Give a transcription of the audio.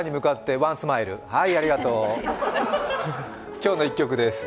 今日の一曲です。